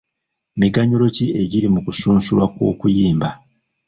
Miganyulo ki egiri mu kusunsulwa kw'okuyimba?